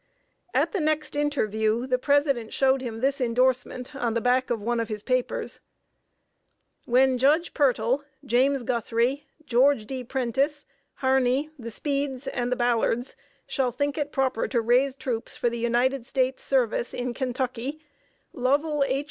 At the next interview, the President showed him this indorsement on the back of one of his papers: "When Judge Pirtle, James Guthrie, George D. Prentice, Harney, the Speeds, and the Ballards shall think it proper to raise troops for the United States service in Kentucky, Lovell H.